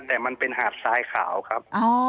แต่มันเป็นหาดทรายขาวครับ